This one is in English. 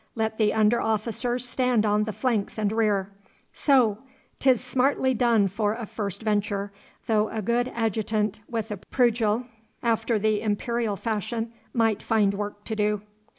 Let the under officers stand on the flanks and rear. So! 'tis smartly done for a first venture, though a good adjutant with a prugel after the Imperial fashion might find work to do.